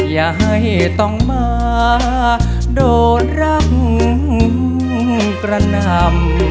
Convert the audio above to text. อย่าให้ต้องมาโดนรักกระนำ